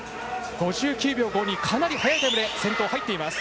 ５９秒５２、かなり速いタイムで先頭入っています。